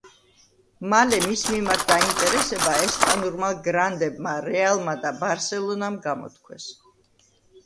მალე მის მიმართ დაინტერესება ესპანურმა გრანდებმა „რეალმა“ და „ბარსელონამ“ გამოთქვეს.